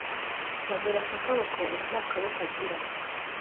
bamurasa akaboko ubu nta kaboko agira,